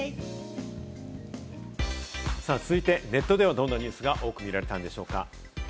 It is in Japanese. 続いてネットではどんなニュースが多く見られたのでしょうか？